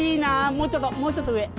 もうちょっともうちょっと上。